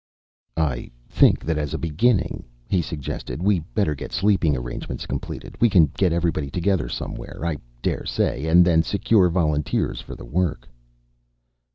"I think that as a beginning," he suggested, "we'd better get sleeping arrangements completed. We can get everybody together somewhere, I dare say, and then secure volunteers for the work."